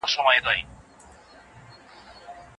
تاريخي پېښې د عبرت اخيستلو لپاره دي.